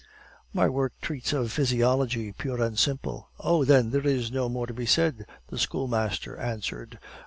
"My work treats of physiology pure and simple." "Oh, then, there is no more to be said," the schoolmaster answered.